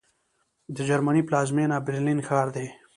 د جرمني پلازمېنه برلین ښار دی